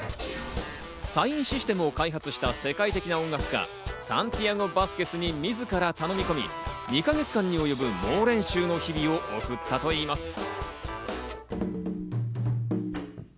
サイン・システムを開発した世界的な音楽家サンティアゴ・バスケスに自ら頼み込み、２か月間に及ぶ猛練習の日々を送ったといいます。